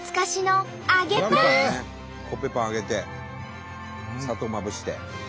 コッペパン揚げて砂糖まぶして。